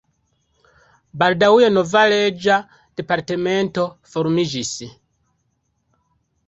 Baldaŭe nova reĝa departemento formiĝis.